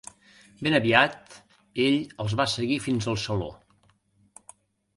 Ben aviat ell els va seguir fins al saló.